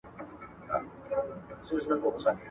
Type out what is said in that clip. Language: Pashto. په لاس لیکل د ماشین پر وړاندي د انسان بریا ده.